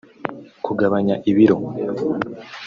Kugabanya ibiro